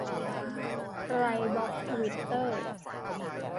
"ใครบล็อกทวิตเตอร์ ?"